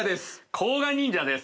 甲賀忍者です。